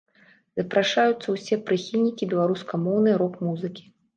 Запрашаюцца ўсе прыхільнікі беларускамоўнай рок-музыкі!